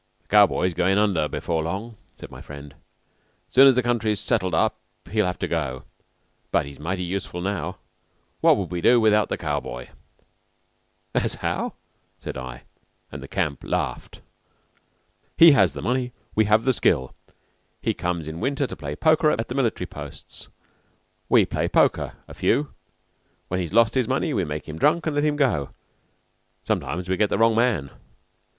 "The cow boy's goin' under before long," said my friend. "Soon as the country's settled up he'll have to go. But he's mighty useful now. What would we do without the cow boy?" "As how?" said I, and the camp laughed. "He has the money. We have the skill. He comes in winter to play poker at the military posts. We play poker a few. When he's lost his money we make him drunk and let him go. Sometimes we get the wrong man."